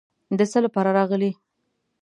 د څه لپاره راغلې.